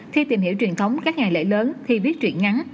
thi tìm hiểu truyền thống các ngày lễ lớn thi viết truyện ngắn